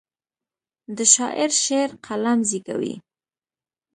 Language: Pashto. د شاعر شعر قلم زیږوي.